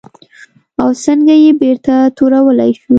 او څنګه یې بېرته تورولی شو؟